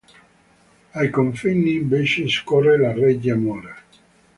Ai confini, invece, scorre la roggia Mora.